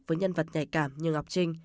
với nhân vật nhạy cảm như ngọc trinh